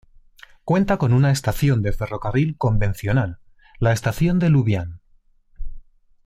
Cuenta con una estación de ferrocarril convencional, la estación de Lubián.